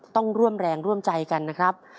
ต้องร่วมแรงร่วมใจกันนะครับ